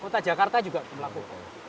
kota jakarta juga melakukan